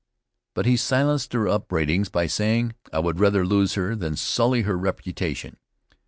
But he silenced their upbraidings by saying: "I would rather lose her than sully her reputation.